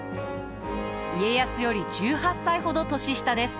家康より１８歳ほど年下です。